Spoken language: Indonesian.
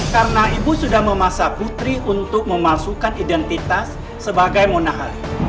karena ibu sudah memasak putri untuk memalsukan identitas sebagai monahari